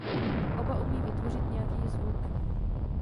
Oba umí vytvořit nějaký zvuk.